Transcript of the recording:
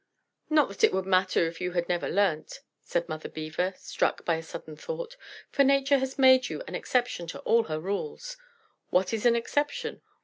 "Not that it would matter if you had never learnt," said Mother Beaver, struck by a sudden thought, "for Nature has made you an exception to all her rules. What is an exception?